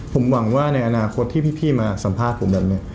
ผมหวังว่าในอนาคตที่พี่มาสัมภาษณ์ผมแบบนี้